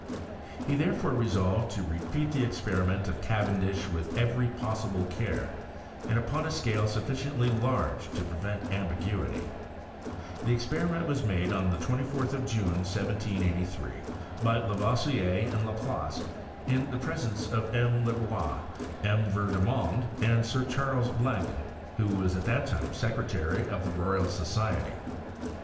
He therefore resolved to repeat the experiment of Cavendish with every possible caic, and upon, ft scale sufHciently large to prevent ambiguity. The experiment was made on the '24th of June, 1783, by Lavoisier and Laplace, in the presence of M, Le Eoi, M. Vandermonde, and Sir Charles Blagden, who was at that time secretary of the Royal Society.